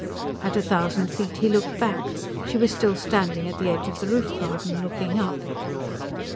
At a thousand feet he looked back; she was still standing at the edge of the roof garden, looking up.